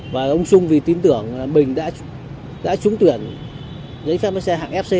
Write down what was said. và ông trung vì tin tưởng là bình đã trúng tuyển giấy phép lái xe hạng fc và đã giao xe cho bình